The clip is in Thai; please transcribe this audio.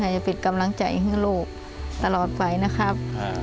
จะเป็นกำลังใจให้ลูกตลอดไปนะครับ